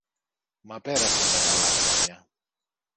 Μα πέρασαν τα καλά χρόνια